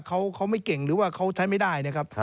เขาไม่เก่งหรือว่าเขาใช้ไม่ได้นะครับ